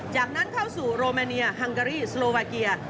จากนั้นเข้าสู่โรแมเนียฮังการีสโลวาเกีย